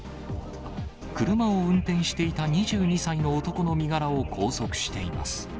車を運転していた２２歳の男の身柄を拘束しています。